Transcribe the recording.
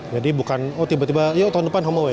jadi bukan oh tiba tiba tahun depan home away